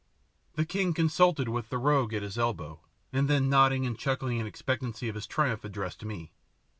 The king consulted with the rogue at his elbow, and then nodding and chuckling in expectancy of his triumph, addressed me.